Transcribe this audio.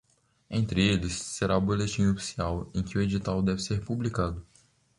Entre eles, será o boletim oficial em que o edital deve ser publicado.